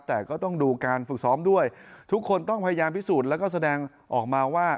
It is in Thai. แต่ก็ต้องดูการฝึกซ้อมด้วยทุกคนต้องพยายามพิสูจน์แล้วก็แสดงออกมาว่า